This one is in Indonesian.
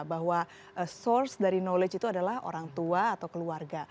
bahwa source dari knowledge itu adalah orang tua atau keluarga